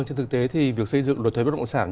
trên thực tế thì việc xây dựng luật thuế bất động sản